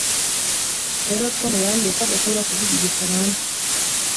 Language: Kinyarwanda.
ejo, tom yambwiye ko adashobora kuvuga igifaransa